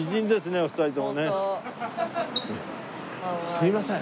すみません。